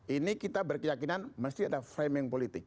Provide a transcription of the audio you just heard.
ini kita berkeyakinan mesti ada framing politik